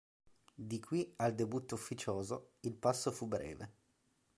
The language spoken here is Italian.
Di qui al debutto ufficioso il passo fu breve.